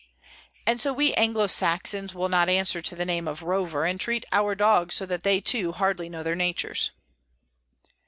And so we Anglo Saxons will not answer to the name of Rover, and treat our dogs so that they, too, hardly know their natures.